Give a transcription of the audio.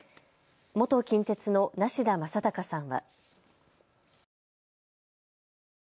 元近鉄の梨田昌孝さんは。